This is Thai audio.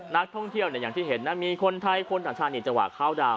นักท่องเที่ยวเนี่ยอย่างที่เห็นนะมีคนไทยคนต่างชาตินี่จังหวะเข้าดาวน